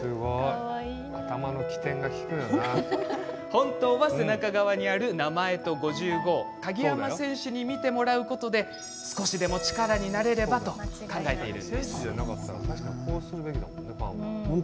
本当は背中側にある名前と５５を鍵山選手に見てもらうことで少しでも力になれればと考えているんです。